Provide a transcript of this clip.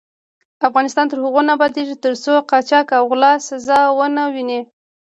افغانستان تر هغو نه ابادیږي، ترڅو قاچاق او غلا سزا ونه ويني.